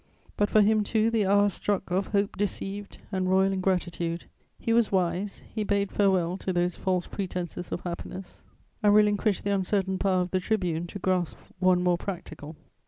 But for him too the hour struck of hope deceived and royal ingratitude. He was wise; he bade farewell to those false pretenses of happiness, and relinquished the uncertain power of the tribune to grasp one more practical.